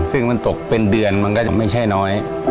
ซึ่งมันตกเป็นเดือนมันก็จะไม่ใช่น้อย